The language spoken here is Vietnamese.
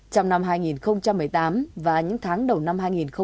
trong năm hai nghìn một mươi tám và những tháng đầu năm hai nghìn một mươi chín